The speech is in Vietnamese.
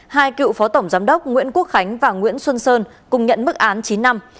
hai cựu phó tổng giám đốc nguyễn quốc khánh và nguyễn xuân sơn cùng nhận mức án chín năm